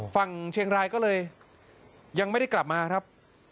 ฝั่งเชียงรายก็เลยยังไม่ได้กลับมาครับ